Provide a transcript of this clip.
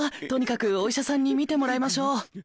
とにかくお医者さんに診てもらいましょう。